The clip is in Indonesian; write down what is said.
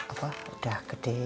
apa udah gede